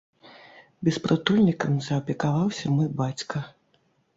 Беспрытульнікам заапекаваўся мой бацька.